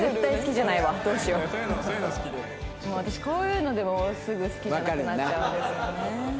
もう私こういうのですぐ好きじゃなくなっちゃうんですよね。